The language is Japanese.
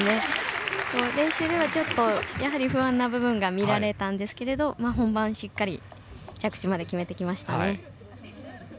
練習ではちょっと不安な部分が見られたんですけど本番、しっかり着地まで決めてきましたね。